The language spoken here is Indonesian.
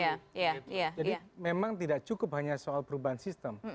jadi memang tidak cukup hanya soal perubahan sistem